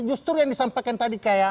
justru yang disampaikan tadi kayak